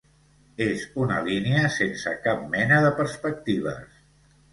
És una línia sense cap mena de perspectives.